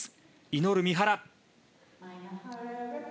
祈る三原。